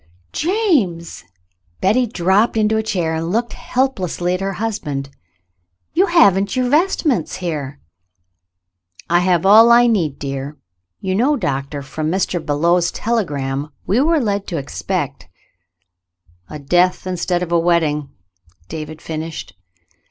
"James!" Betty dropped into a chair and looked helplessly at her husband. "You haven't your vest ments here !" "I have all I need, dear. You know. Doctor, from Mr. Belew's telegram we were led to expect —" "A death instead of a wedding.''" David finished.